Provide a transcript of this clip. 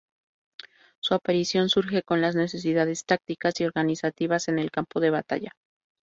Su aparición surge con las necesidades tácticas y organizativas en el campo de batalla.